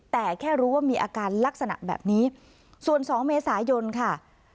แต่แค่รู้ว่ามีอาการลักษณะแบบนี้ส่วน๒เมษายนค่ะ